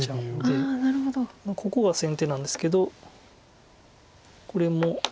ここが先手なんですけどこれも。